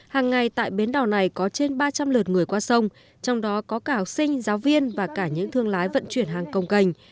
hàng ngày tại bến đỏ này có trên ba trăm linh lượt người qua sông trong đó có cả học sinh giáo viên và cả những thương lái vận chuyển hàng công cành